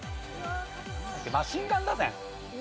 マシンガン打線。